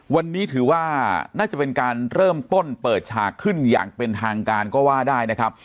วันนี้ถือว่าน่าจะเป็นการเริ่มต้นเปิดฉากขึ้นอย่างเป็นทางการก็ว่าได้นะครับ